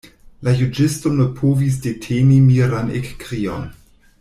La juĝisto ne povis deteni miran ekkrion.